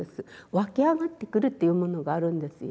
わき上がってくるっていうものがあるんですよ。